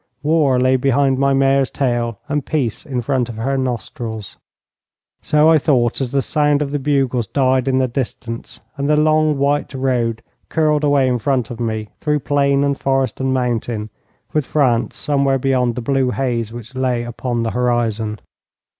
War lay behind my mare's tail and peace in front of her nostrils. So I thought, as the sound of the bugles died in the distance, and the long, white road curled away in front of me through plain and forest and mountain, with France somewhere beyond the blue haze which lay upon the horizon.